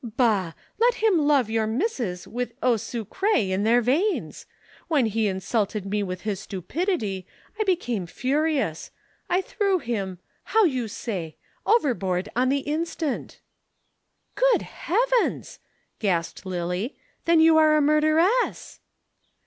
Bah! Let him love your misses with eau sucrée in their veins. When he insulted me with his stupidity, I became furious. I threw him how you say? overboard on the instant." "Good heavens!" gasped Lillie. "Then you are a murderess!"